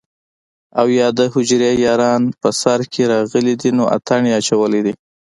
او يا دحجرې ياران په سر کښې راغلي دي نو اتڼ يې اچولے دے